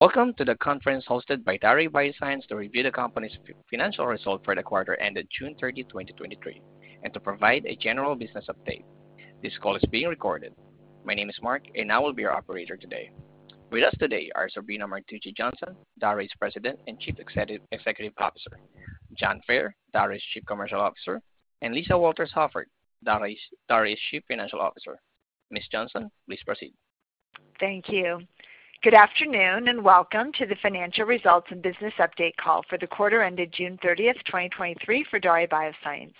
Welcome to the conference hosted by Daré Bioscience to review the company's financial results for the quarter ended June 30, 2023, and to provide a general business update. This call is being recorded. My name is Mark, and I will be your operator today. With us today are Sabrina Martucci Johnson, Daré's President and Chief Executive Officer; John Fair, Daré's Chief Commercial Officer; and Lisa Walters-Hoffert, Daré's Chief Financial Officer. Ms. Johnson, please proceed. Thank you. Good afternoon, welcome to the financial results and business update call for the quarter ended June 30, 2023 for Daré Bioscience.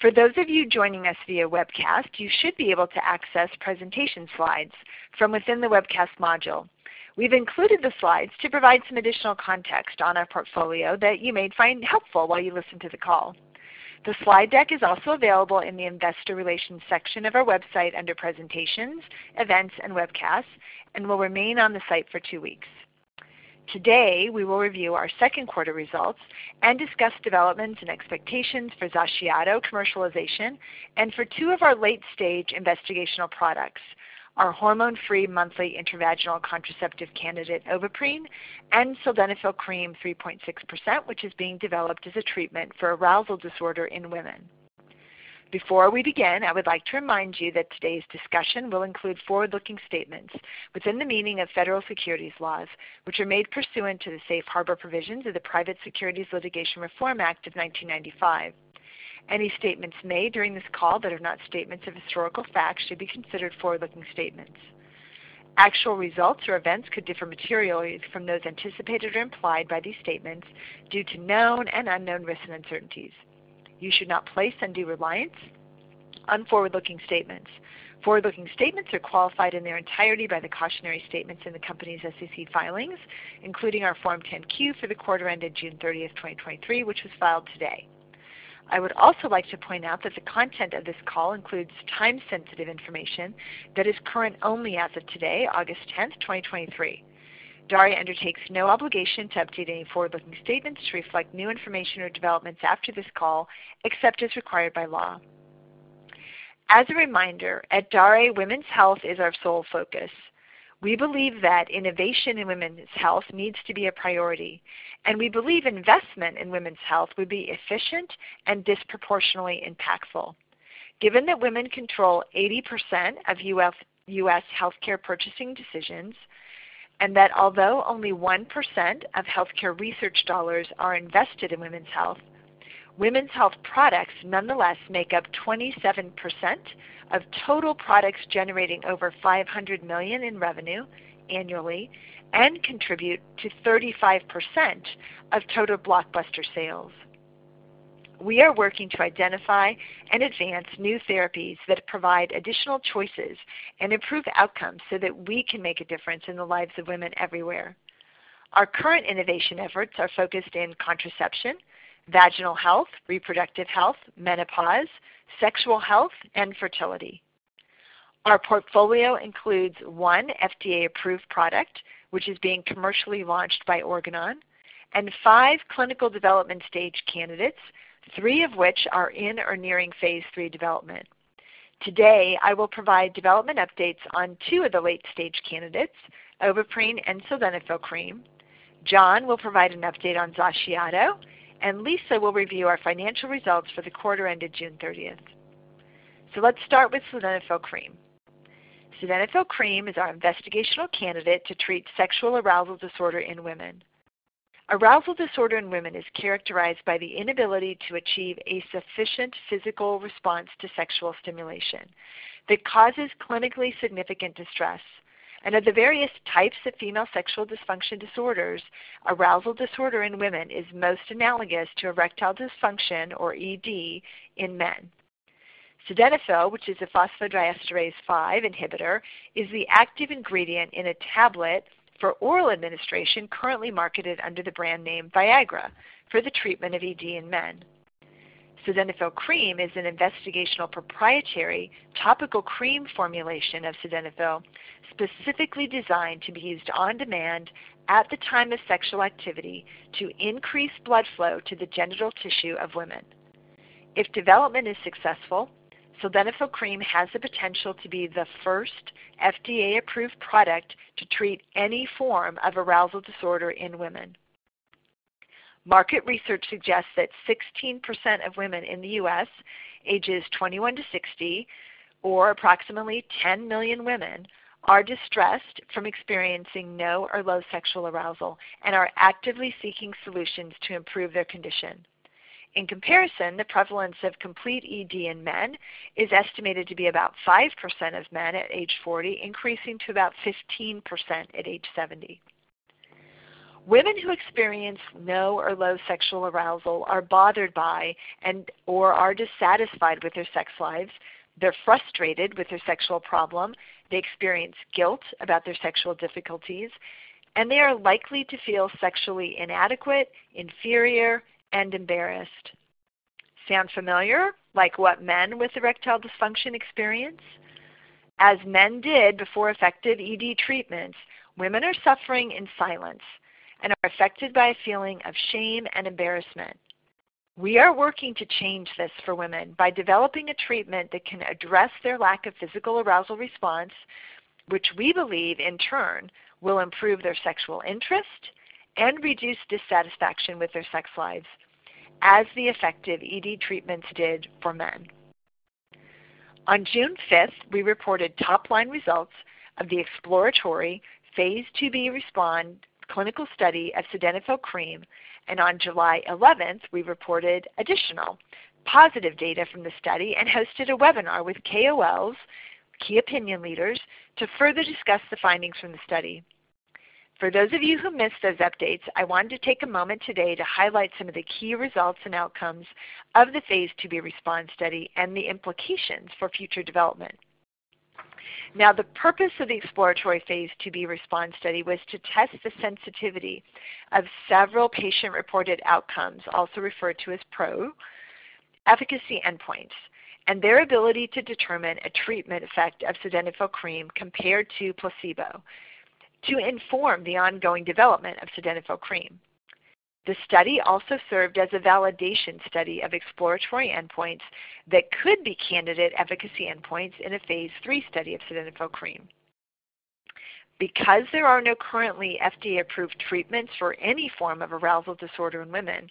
For those of you joining us via webcast, you should be able to access presentation slides from within the webcast module. We've included the slides to provide some additional context on our portfolio that you may find helpful while you listen to the call. The slide deck is also available in the investor relations section of our website under presentations, events, and webcasts, and will remain on the site for two weeks. Today, we will review our second quarter results and discuss developments and expectations for XACIATO commercialization and for two of our late-stage investigational products, our hormone-free monthly intravaginal contraceptive candidate, Ovaprene, and Sildenafil Cream, 3.6%, which is being developed as a treatment for arousal disorder in women. Before we begin, I would like to remind you that today's discussion will include forward-looking statements within the meaning of federal securities laws, which are made pursuant to the Safe Harbor provisions of the Private Securities Litigation Reform Act of 1995. Any statements made during this call that are not statements of historical fact should be considered forward-looking statements. Actual results or events could differ materially from those anticipated or implied by these statements due to known and unknown risks and uncertainties. You should not place undue reliance on forward-looking statements. Forward-looking statements are qualified in their entirety by the cautionary statements in the company's SEC filings, including our Form 10-Q for the quarter ended June 30th, 2023, which was filed today. I would also like to point out that the content of this call includes time-sensitive information that is current only as of today, August 10, 2023. Daré undertakes no obligation to update any forward-looking statements to reflect new information or developments after this call, except as required by law. As a reminder, at Daré, women's health is our sole focus. We believe that innovation in women's health needs to be a priority, and we believe investment in women's health would be efficient and disproportionately impactful. Given that women control 80% of U.S. healthcare purchasing decisions, and that although only 1% of healthcare research dollars are invested in women's health, women's health products nonetheless make up 27% of total products generating over $500 million in revenue annually and contribute to 35% of total blockbuster sales. We are working to identify and advance new therapies that provide additional choices and improve outcomes so that we can make a difference in the lives of women everywhere. Our current innovation efforts are focused in contraception, vaginal health, reproductive health, menopause, sexual health, and fertility. Our portfolio includes 1 FDA-approved product, which is being commercially launched by Organon, and 5 clinical development stage candidates, 3 of which are in or nearing phase III development. Today, I will provide development updates on 2 of the late-stage candidates, Ovaprene and Sildenafil Cream. John will provide an update on XACIATO, and Lisa will review our financial results for the quarter ended June thirtieth. Let's start with Sildenafil Cream. Sildenafil Cream is our investigational candidate to treat sexual arousal disorder in women. Arousal disorder in women is characterized by the inability to achieve a sufficient physical response to sexual stimulation that causes clinically significant distress. Of the various types of female sexual dysfunction disorders, arousal disorder in women is most analogous to erectile dysfunction, or ED, in men. Sildenafil, which is a phosphodiesterase-5 inhibitor, is the active ingredient in a tablet for oral administration, currently marketed under the brand name Viagra for the treatment of ED in men. Sildenafil Cream is an investigational proprietary topical cream formulation of Sildenafil, specifically designed to be used on demand at the time of sexual activity to increase blood flow to the genital tissue of women. If development is successful, Sildenafil Cream has the potential to be the first FDA-approved product to treat any form of arousal disorder in women. Market research suggests that 16% of women in the U.S., ages 21 to 60, or approximately 10 million women, are distressed from experiencing no or low sexual arousal and are actively seeking solutions to improve their condition. In comparison, the prevalence of complete ED in men is estimated to be about 5% of men at age 40, increasing to about 15% at age 70. Women who experience no or low sexual arousal are bothered by and, or are dissatisfied with their sex lives. They're frustrated with their sexual problem, they experience guilt about their sexual difficulties, and they are likely to feel sexually inadequate, inferior, and embarrassed. Sound familiar, like what men with erectile dysfunction experience? As men did before effective ED treatments, women are suffering in silence and are affected by a feeling of shame and embarrassment.... We are working to change this for women by developing a treatment that can address their lack of physical arousal response, which we believe, in turn, will improve their sexual interest and reduce dissatisfaction with their sex lives, as the effective ED treatments did for men. On June fifth, we reported top-line results of the exploratory phase IIb RESPOND clinical study of Sildenafil Cream. On July eleventh, we reported additional positive data from the study and hosted a webinar with KOLs, key opinion leaders, to further discuss the findings from the study. For those of you who missed those updates, I wanted to take a moment today to highlight some of the key results and outcomes of the phase IIb RESPOND study and the implications for future development. Now, the purpose of the exploratory phase IIb RESPOND study was to test the sensitivity of several patient-reported outcomes, also referred to as PRO efficacy endpoints, and their ability to determine a treatment effect of Sildenafil Cream compared to placebo, to inform the ongoing development of Sildenafil Cream. The study also served as a validation study of exploratory endpoints that could be candidate efficacy endpoints in a phase III study of Sildenafil Cream. Because there are no currently FDA-approved treatments for any form of arousal disorder in women,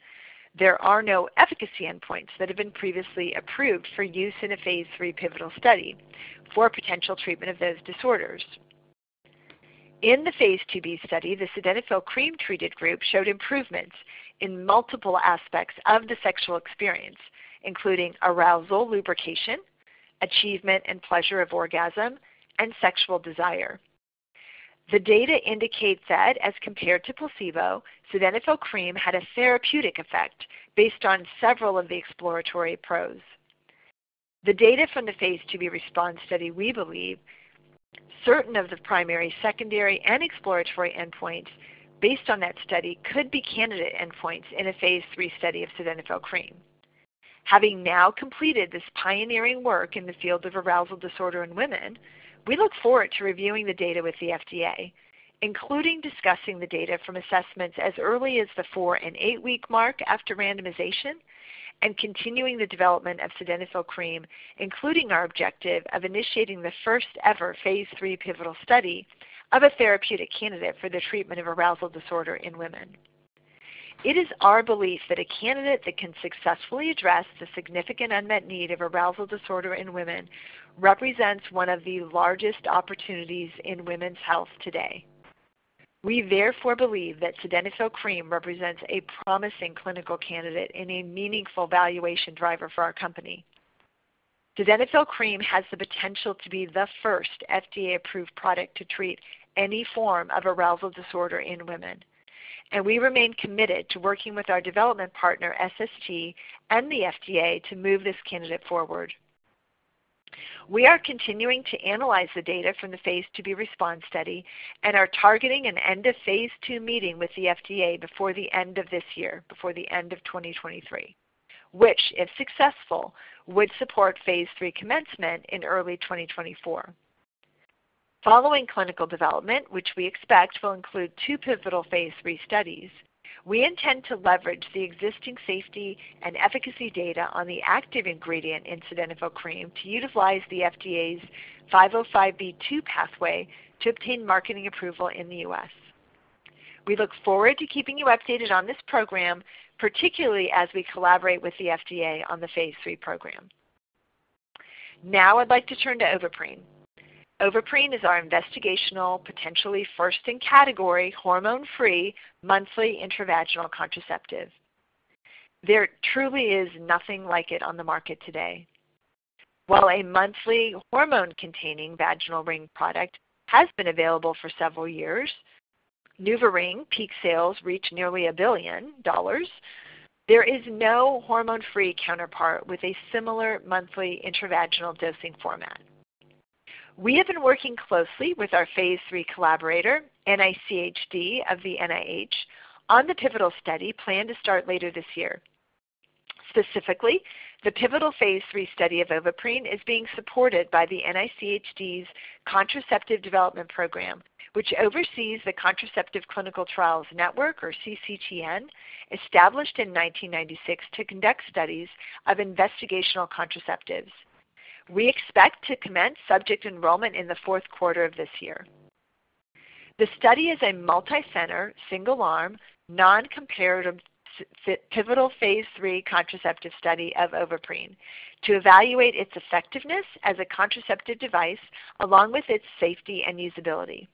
there are no efficacy endpoints that have been previously approved for use in a phase III pivotal study for potential treatment of those disorders. In the phase IIb study, the Sildenafil Cream-treated group showed improvements in multiple aspects of the sexual experience, including arousal, lubrication, achievement, and pleasure of orgasm, and sexual desire. The data indicates that, as compared to placebo, Sildenafil Cream had a therapeutic effect based on several of the exploratory PROs. The data from the phase IIb RESPOND study, we believe, certain of the primary, secondary, and exploratory endpoints based on that study could be candidate endpoints in a phase III study of Sildenafil Cream. Having now completed this pioneering work in the field of arousal disorder in women, we look forward to reviewing the data with the FDA, including discussing the data from assessments as early as the four and eight-week mark after randomization, and continuing the development of Sildenafil Cream, including our objective of initiating the first-ever phase III pivotal study of a therapeutic candidate for the treatment of arousal disorder in women. It is our belief that a candidate that can successfully address the significant unmet need of arousal disorder in women represents one of the largest opportunities in women's health today. We therefore believe that Sildenafil Cream represents a promising clinical candidate and a meaningful valuation driver for our company. Sildenafil Cream has the potential to be the first FDA-approved product to treat any form of arousal disorder in women, and we remain committed to working with our development partner, SST, and the FDA to move this candidate forward. We are continuing to analyze the data from the Phase IIb RESPOND study and are targeting an end of phase II meeting with the FDA before the end of this year, before the end of 2023, which, if successful, would support phase III commencement in early 2024. Following clinical development, which we expect will include two pivotal phase III studies, we intend to leverage the existing safety and efficacy data on the active ingredient in Sildenafil Cream to utilize the FDA's 505(b)(2) pathway to obtain marketing approval in the U.S. We look forward to keeping you updated on this program, particularly as we collaborate with the FDA on the phase III program. I'd like to turn to Ovaprene. Ovaprene is our investigational, potentially first-in-category, hormone-free, monthly intravaginal contraceptive. There truly is nothing like it on the market today. While a monthly hormone-containing vaginal ring product has been available for several years, NuvaRing peak sales reached nearly $1 billion. There is no hormone-free counterpart with a similar monthly intravaginal dosing format. We have been working closely with our phase III collaborator, NICHD of the NIH, on the pivotal study planned to start later this year. Specifically, the pivotal phase III study of Ovaprene is being supported by the NICHD's Contraceptive Development Program, which oversees the Contraceptive Clinical Trials Network, or CCTN, established in 1996 to conduct studies of investigational contraceptives. We expect to commence subject enrollment in the fourth quarter of this year. The study is a multicenter, single-arm, non-comparative, pivotal phase III contraceptive study of Ovaprene to evaluate its effectiveness as a contraceptive device, along with its safety and usability.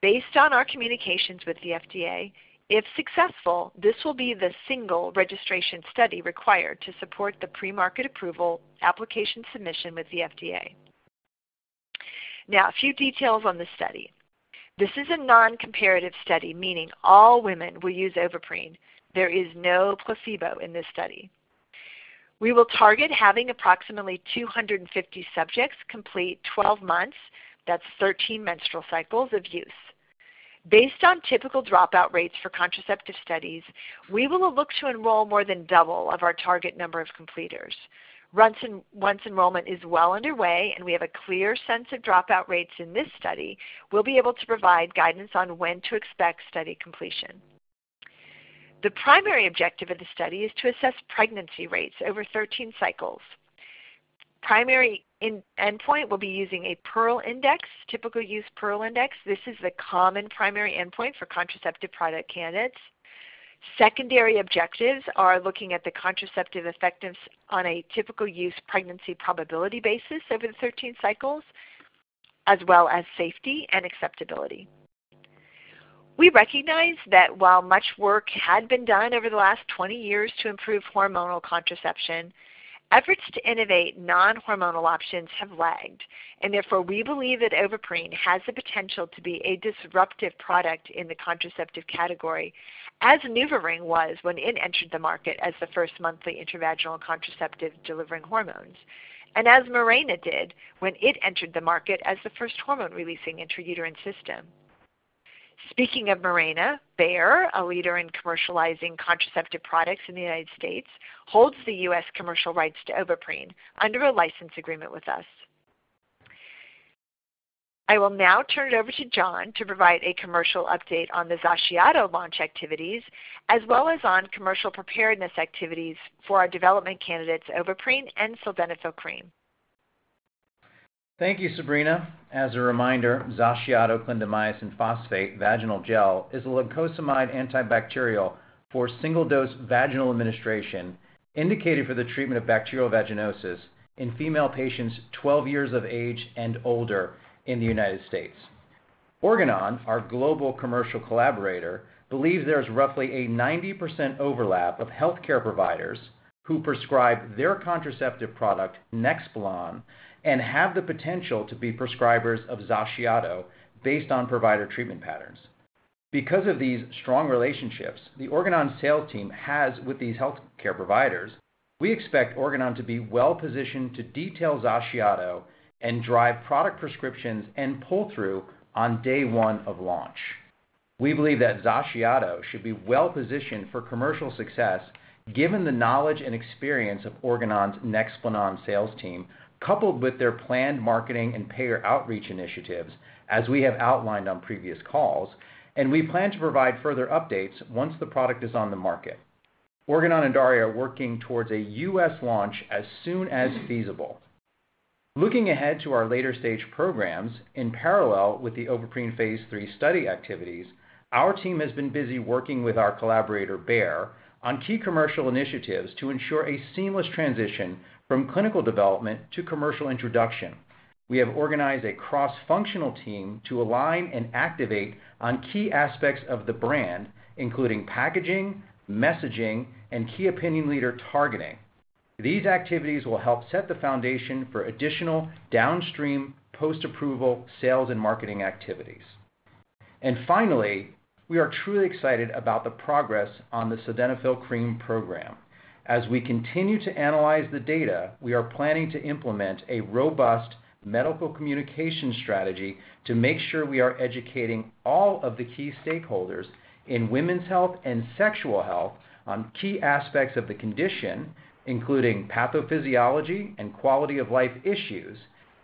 Based on our communications with the FDA, if successful, this will be the single registration study required to support the premarket approval application submission with the FDA. A few details on the study. This is a non-comparative study, meaning all women will use Ovaprene. There is no placebo in this study. We will target having approximately 250 subjects complete 12 months, that's 13 menstrual cycles, of use. Based on typical dropout rates for contraceptive studies, we will look to enroll more than double of our target number of completers. Once enrollment is well underway and we have a clear sense of dropout rates in this study, we'll be able to provide guidance on when to expect study completion. The primary objective of the study is to assess pregnancy rates over 13 cycles. Primary endpoint, we'll be using a Pearl Index, typical use Pearl Index. This is the common primary endpoint for contraceptive product candidates. Secondary objectives are looking at the contraceptive effectiveness on a typical use pregnancy probability basis over the 13 cycles, as well as safety and acceptability. We recognize that while much work had been done over the last 20 years to improve hormonal contraception, efforts to innovate non-hormonal options have lagged. Therefore, we believe that Ovaprene has the potential to be a disruptive product in the contraceptive category, as NuvaRing was when it entered the market as the first monthly intravaginal contraceptive delivering hormones. As Mirena did when it entered the market as the first hormone-releasing intrauterine system. Speaking of Mirena, Bayer, a leader in commercializing contraceptive products in the United States, holds the U.S. commercial rights to Ovaprene under a license agreement with us. I will now turn it over to John to provide a commercial update on the XACIATO launch activities, as well as on commercial preparedness activities for our development candidates, Ovaprene and Sildenafil Cream. Thank you, Sabrina. As a reminder, XACIATO clindamycin phosphate vaginal gel is a lincosamide antibacterial for single-dose vaginal administration, indicated for the treatment of bacterial vaginosis in female patients 12 years of age and older in the United States. Organon, our global commercial collaborator, believes there is roughly a 90% overlap of healthcare providers who prescribe their contraceptive product, NEXPLANON, and have the potential to be prescribers of XACIATO based on provider treatment patterns. Because of these strong relationships, the Organon sales team has with these healthcare providers, we expect Organon to be well-positioned to detail XACIATO and drive product prescriptions and pull-through on day 1 of launch. We believe that XACIATO should be well-positioned for commercial success, given the knowledge and experience of Organon's NEXPLANON sales team, coupled with their planned marketing and payer outreach initiatives, as we have outlined on previous calls, and we plan to provide further updates once the product is on the market. Organon and Daré are working towards a U.S. launch as soon as feasible. Looking ahead to our later stage programs, in parallel with the Ovaprene phase III study activities, our team has been busy working with our collaborator, Bayer, on key commercial initiatives to ensure a seamless transition from clinical development to commercial introduction. We have organized a cross-functional team to align and activate on key aspects of the brand, including packaging, messaging, and key opinion leader targeting. These activities will help set the foundation for additional downstream post-approval sales and marketing activities. Finally, we are truly excited about the progress on the Sildenafil Cream program. As we continue to analyze the data, we are planning to implement a robust medical communication strategy to make sure we are educating all of the key stakeholders in women's health and sexual health on key aspects of the condition, including pathophysiology and quality of life issues,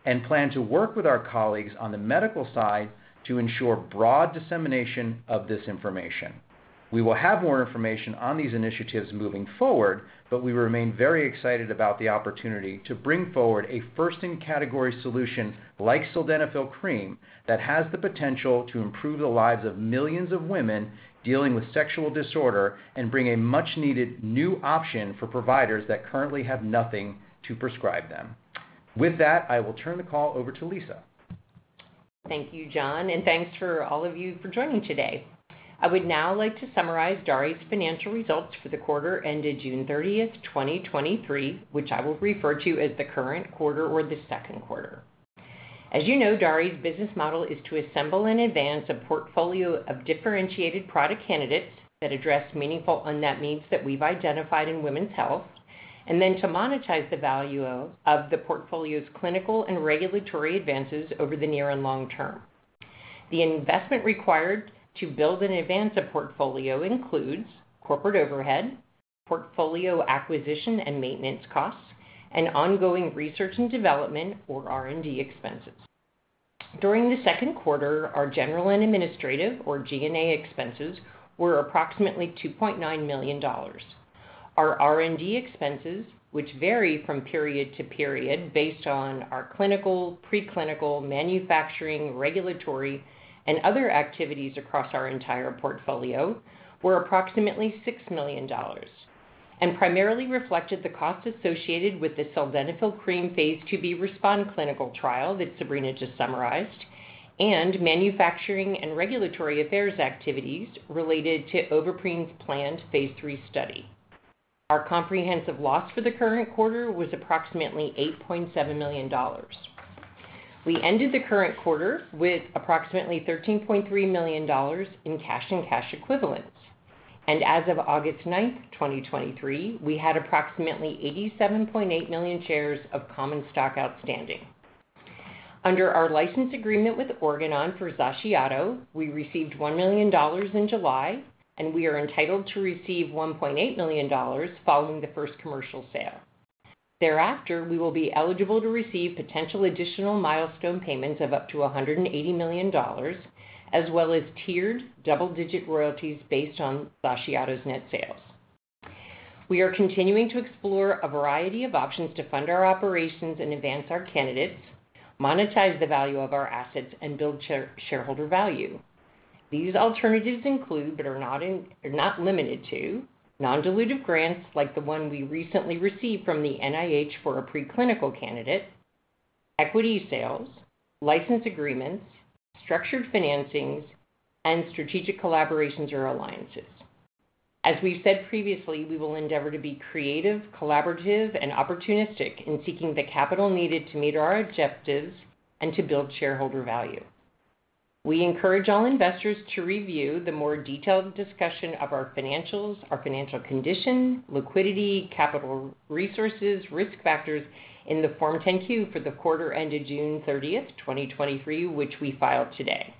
and plan to work with our colleagues on the medical side to ensure broad dissemination of this information. We will have more information on these initiatives moving forward, but we remain very excited about the opportunity to bring forward a first-in-category solution like Sildenafil Cream, that has the potential to improve the lives of millions of women dealing with sexual disorder and bring a much-needed new option for providers that currently have nothing to prescribe them. With that, I will turn the call over to Lisa. Thank you, John. Thanks for all of you for joining today. I would now like to summarize Daré's financial results for the quarter ended June 30, 2023, which I will refer to as the current quarter or the second quarter. As you know, Daré's business model is to assemble in advance a portfolio of differentiated product candidates that address meaningful unmet needs that we've identified in women's health, and then to monetize the value of the portfolio's clinical and regulatory advances over the near and long term. The investment required to build and advance a portfolio includes corporate overhead, portfolio acquisition and maintenance costs, and ongoing research and development, or R&D expenses. During the second quarter, our general and administrative, or G&A expenses, were approximately $2.9 million. Our R&D expenses, which vary from period to period based on our clinical, preclinical, manufacturing, regulatory, and other activities across our entire portfolio, were approximately $6 million, and primarily reflected the costs associated with the Sildenafil Cream phase IIb RESPOND clinical trial that Sabrina just summarized, and manufacturing and regulatory affairs activities related to Ovaprene's planned phase III study. Our comprehensive loss for the current quarter was approximately $8.7 million. We ended the current quarter with approximately $13.3 million in cash and cash equivalents. As of August 9th, 2023, we had approximately 87.8 million shares of common stock outstanding. Under our license agreement with Organon for XACIATO, we received $1 million in July, and we are entitled to receive $1.8 million following the first commercial sale. Thereafter, we will be eligible to receive potential additional milestone payments of up to $180 million, as well as tiered double-digit royalties based on XACIATO's net sales. We are continuing to explore a variety of options to fund our operations and advance our candidates, monetize the value of our assets, and build share, shareholder value. These alternatives include, but are not limited to, non-dilutive grants like the one we recently received from the NIH for a preclinical candidate, equity sales, license agreements, structured financings, and strategic collaborations or alliances. As we've said previously, we will endeavor to be creative, collaborative, and opportunistic in seeking the capital needed to meet our objectives and to build shareholder value. We encourage all investors to review the more detailed discussion of our financials, our financial condition, liquidity, capital resources, risk factors in the Form 10-Q for the quarter ended June 30, 2023, which we filed today,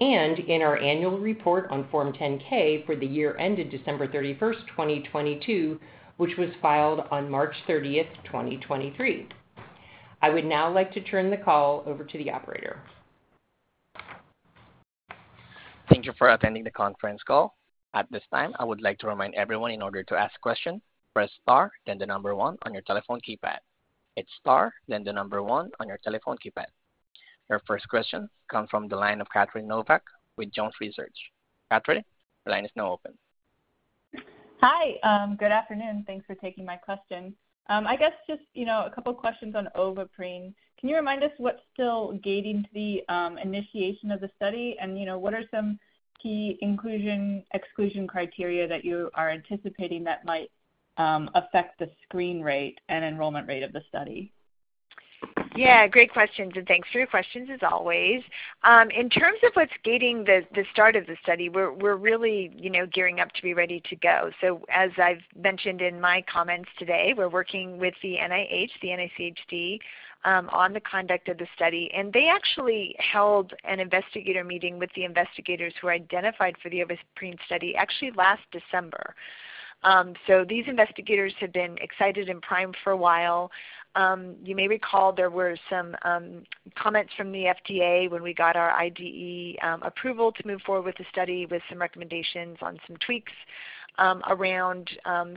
and in our annual report on Form 10-K for the year ended December 31, 2022, which was filed on March 30th, 2023. I would now like to turn the call over to the operator. Thank you for attending the conference call. At this time, I would like to remind everyone, in order to ask a question, press star, then the one on your telephone keypad. It's star, then the one on your telephone keypad. Your first question comes from the line of Catherine Novak with Jones Research. Kathryn, the line is now open. Hi, good afternoon. Thanks for taking my question. I guess just, you know, a couple of questions on Ovaprene. Can you remind us what's still gating the initiation of the study? You know, what are some key inclusion/exclusion criteria that you are anticipating that might affect the screen rate and enrollment rate of the study? Yeah, great questions, and thanks for your questions, as always. In terms of what's gating the, the start of the study, we're really, you know, gearing up to be ready to go. As I've mentioned in my comments today, we're working with the NIH, the NICHD, on the conduct of the study, and they actually held an investigator meeting with the investigators who are identified for the Ovaprene study actually last December. These investigators have been excited and primed for a while. You may recall there were some comments from the FDA when we got our IDE approval to move forward with the study, with some recommendations on some tweaks around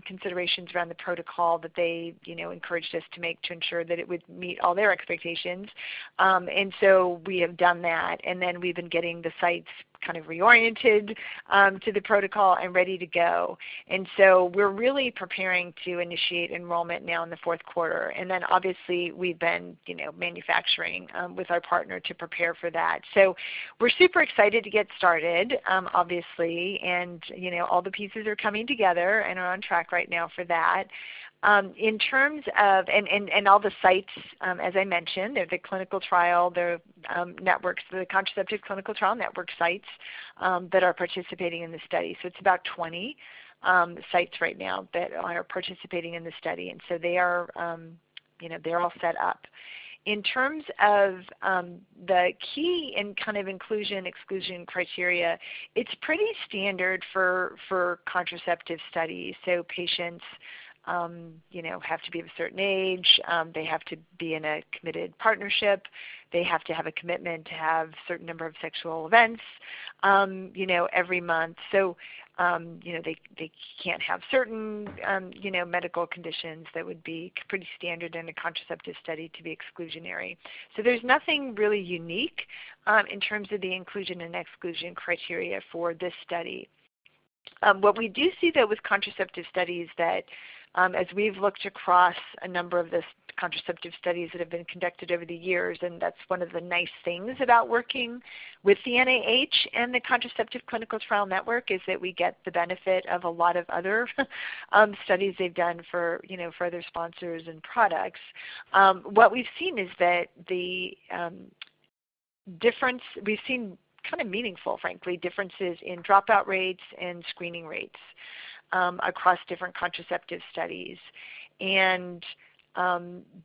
considerations around the protocol that they, you know, encouraged us to make to ensure that it would meet all their expectations. So we have done that, and then we've been getting the sites kind of reoriented to the protocol and ready to go. So we're really preparing to initiate enrollment now in the fourth quarter. Obviously, we've been, you know, manufacturing with our partner to prepare for that. We're super excited to get started, obviously, and, you know, all the pieces are coming together and are on track right now for that. In terms of... and, and all the sites, as I mentioned, they're the clinical trial. They're networks, the Contraceptive Clinical Trials Network sites, that are participating in this study. It's about 20 sites right now that are participating in this study, and so they are, you know, they're all set up. In terms of the key and kind of inclusion, exclusion criteria, it's pretty standard for, for contraceptive studies. Patients, you know, have to be of a certain age. They have to be in a committed partnership. They have to have a commitment to have certain number of sexual events, you know, every month. You know, they, they can't have certain, you know, medical conditions that would be pretty standard in a contraceptive study to be exclusionary. There's nothing really unique in terms of the inclusion and exclusion criteria for this study. What we do see, though, with contraceptive studies, that, as we've looked across a number of these contraceptive studies that have been conducted over the years, and that's one of the nice things about working with the NIH and the Contraceptive Clinical Trials Network, is that we get the benefit of a lot of other studies they've done for, you know, for their sponsors and products. What we've seen is that the we've seen kind of meaningful, frankly, differences in dropout rates and screening rates across different contraceptive studies.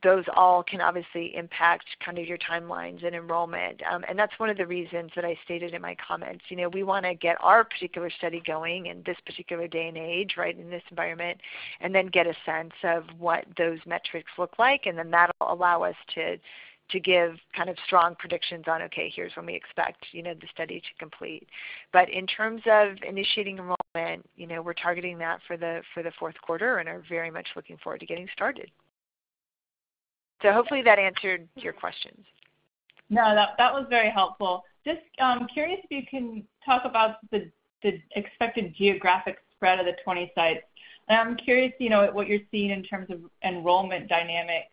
Those all can obviously impact kind of your timelines and enrollment. That's one of the reasons that I stated in my comments. You know, we want to get our particular study going in this particular day and age, right, in this environment, and then get a sense of what those metrics look like, and then that'll allow us to, to give kind of strong predictions on, okay, here's when we expect, you know, the study to complete. In terms of initiating enrollment, you know, we're targeting that for the, for the fourth quarter and are very much looking forward to getting started. Hopefully that answered your questions. No, that, that was very helpful. Just curious if you can talk about the, the expected geographic spread of the 20 sites. I'm curious, you know, what you're seeing in terms of enrollment dynamics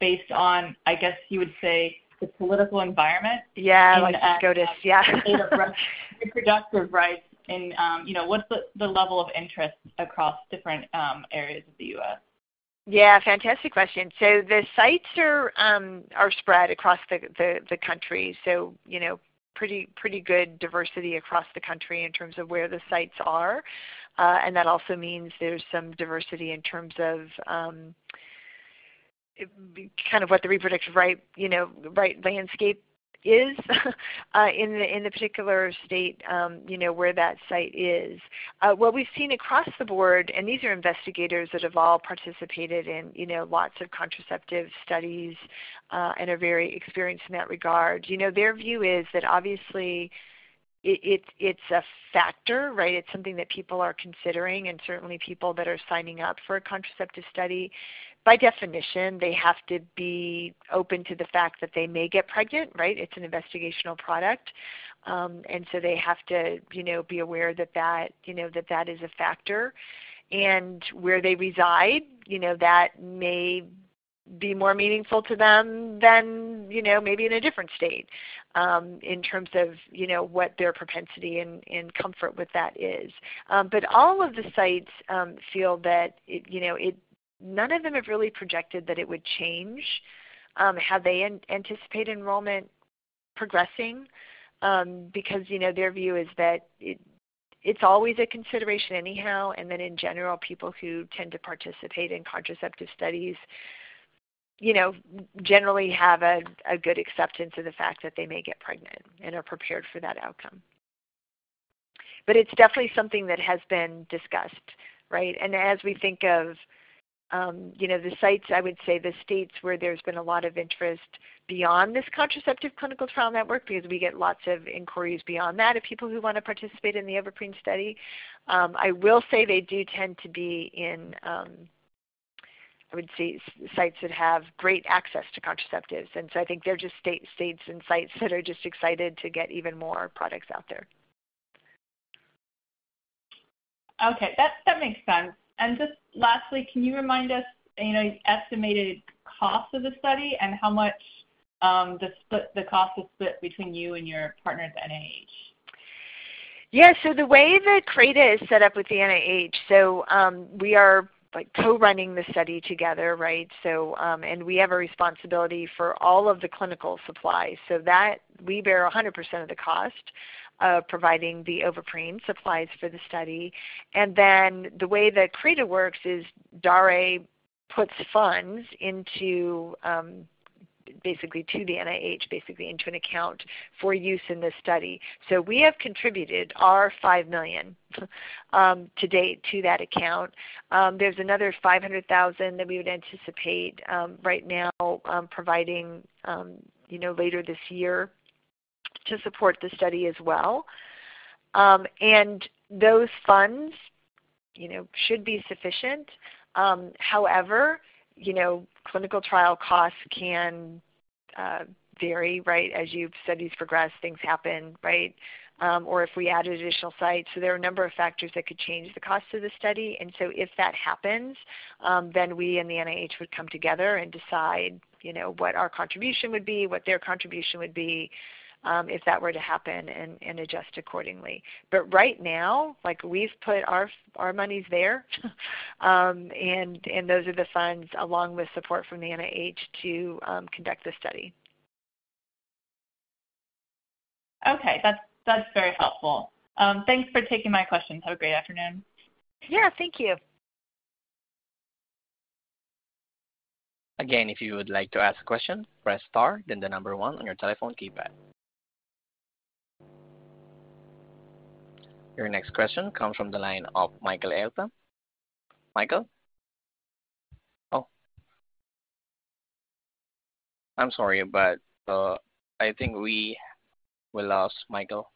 based on, I guess you would say, the political environment? Yeah, let's go. Yeah. Reproductive rights, you know, what's the, the level of interest across different, areas of the U.S.? Yeah, fantastic question. The sites are spread across the country, so, you know, pretty, pretty good diversity across the country in terms of where the sites are. That also means there's some diversity in terms of kind of what the reproductive right, you know, right landscape is in the particular state, you know, where that site is. What we've seen across the board, these are investigators that have all participated in, you know, lots of contraceptive studies and are very experienced in that regard. You know, their view is that obviously it's, it's a factor, right? It's something that people are considering, and certainly people that are signing up for a contraceptive study. By definition, they have to be open to the fact that they may get pregnant, right? It's an investigational product. So they have to, you know, be aware that that, you know, that that is a factor. Where they reside, you know, that may be more meaningful to them than, you know, maybe in a different state, in terms of, you know, what their propensity and, and comfort with that is. All of the sites, feel that it, you know, it. None of them have really projected that it would change, how they anticipate enrollment progressing, because, you know, their view is that it, it's always a consideration anyhow, and that in general, people who tend to participate in contraceptive studies, you know, generally have a, a good acceptance of the fact that they may get pregnant and are prepared for that outcome. It's definitely something that has been discussed, right? As we think of, you know, the sites, I would say the states where there's been a lot of interest beyond this Contraceptive Clinical Trials Network, because we get lots of inquiries beyond that, of people who want to participate in the Ovaprene study. I will say they do tend to be in, I would say sites that have great access to contraceptives, and so I think they're just state, states and sites that are just excited to get even more products out there. Okay, that makes sense. Just lastly, can you remind us, you know, the estimated cost of the study and how much the split, the cost is split between you and your partner at NIH? Yeah. The way that CRADA is set up with the NIH, we are, like, co-running the study together, right? We have a responsibility for all of the clinical supplies. That we bear 100% of the cost of providing the Ovaprene supplies for the study. Then the way that CRADA works is Daré puts funds into, basically to the NIH, basically into an account for use in this study. We have contributed our $5 million to date to that account. There's another $500,000 that we would anticipate right now providing, you know, later this year to support the study as well. Those funds, you know, should be sufficient. However, you know, clinical trial costs can vary, right? As you've studies progress, things happen, right? Or if we add additional sites. There are a number of factors that could change the cost of the study. If that happens, then we and the NIH would come together and decide, you know, what our contribution would be, what their contribution would be, if that were to happen, and adjust accordingly. Right now, like, we've put our money there, and those are the funds, along with support from the NIH, to conduct the study. Okay. That's, that's very helpful. Thanks for taking my questions. Have a great afternoon. Yeah, thank you. Again, if you would like to ask a question, press star, then the one on your telephone keypad. Your next question comes from the line of Michael Elton. Michael? Oh, I'm sorry, but I think we will lose Michael.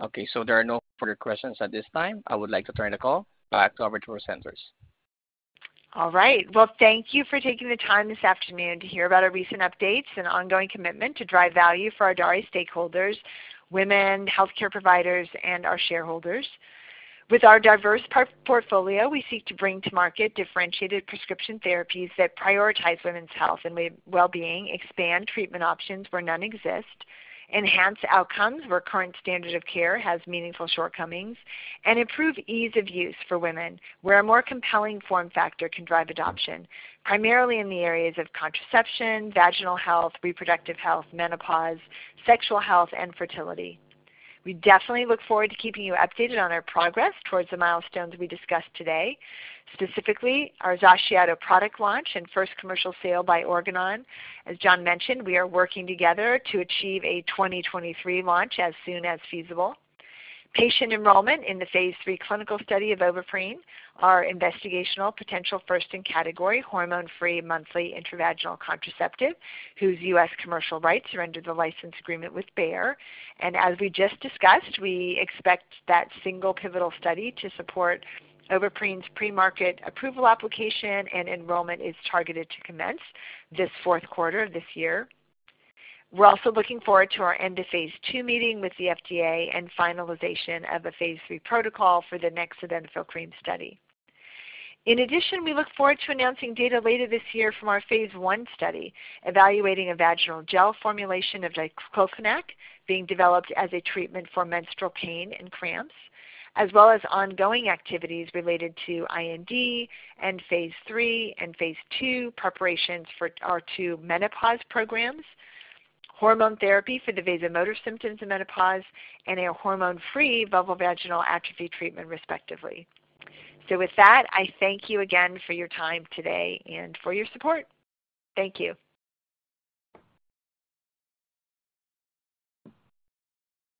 Okay, there are no further questions at this time. I would like to turn the call back to our tour centers. All right. Well, thank you for taking the time this afternoon to hear about our recent updates and ongoing commitment to drive value for our Daré stakeholders, women, healthcare providers, and our shareholders. With our diverse portfolio, we seek to bring to market differentiated prescription therapies that prioritize women's health and well-being, expand treatment options where none exist, enhance outcomes where current standard of care has meaningful shortcomings, and improve ease of use for women, where a more compelling form factor can drive adoption, primarily in the areas of contraception, vaginal health, reproductive health, menopause, sexual health, and fertility. We definitely look forward to keeping you updated on our progress towards the milestones we discussed today, specifically our XACIATO product launch and first commercial sale by Organon. As John mentioned, we are working together to achieve a 2023 launch as soon as feasible. Patient enrollment in the phase III clinical study of Ovaprene, our investigational potential first-in-category, hormone-free, monthly intravaginal contraceptive, whose U.S. commercial rights are under the license agreement with Bayer. As we just discussed, we expect that single pivotal study to support Ovaprene's premarket approval application and enrollment is targeted to commence this fourth quarter of this year. We're also looking forward to our end-of-phase II meeting with the FDA and finalization of a phase III protocol for the Sildenafil Cream study. In addition, we look forward to announcing data later this year from our phase III study, evaluating a vaginal gel formulation of diclofenac being developed as a treatment for menstrual pain and cramps, as well as ongoing activities related to IND and phase III and phase III preparations for our two menopause programs: hormone therapy for the vasomotor symptoms in menopause and a hormone-free vulvovaginal atrophy treatment, respectively. With that, I thank you again for your time today and for your support. Thank you.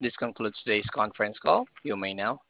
This concludes today's conference call. You may now disconnect.